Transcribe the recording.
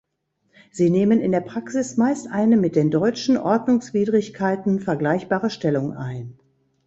Sie nehmen in der Praxis meist eine mit den deutschen Ordnungswidrigkeiten vergleichbare Stellung ein.